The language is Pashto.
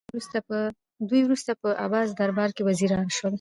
دوی وروسته په عباسي دربار کې وزیران شول